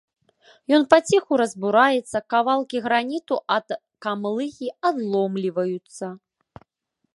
Ён паціху разбураецца, кавалкі граніту ад камлыгі адломліваюцца.